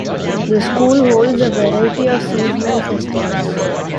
The school also holds a variety of seasonal festivals.